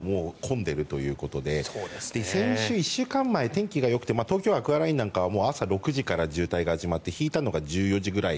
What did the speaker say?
この中央道のピークも３日の午前５時とありますが５時だともう混んでいるということで先週、１週間前、天気がよくて東京湾アクアラインなんかは朝６時から渋滞が始まって引いたのが１４時ぐらい。